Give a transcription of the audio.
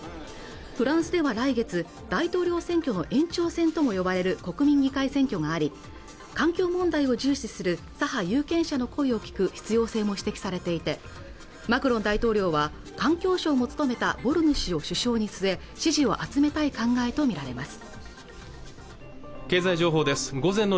フランスでは来月大統領選挙の延長戦とも呼ばれる国民議会選挙があり環境問題を重視する左派有権者の声を聞く必要性も指摘されていてマクロン大統領は環境相も務めたボルヌ氏を首相に据え支持を集めたい考えと見られます